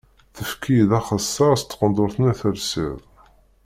Tefkiḍ-iyi axessaṛ s tqendurt-nni telsiḍ.